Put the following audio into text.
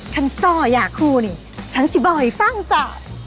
ท่านซ่ออยากคู่นี่ฉันสิบอกไอ้ฟังจ้ะ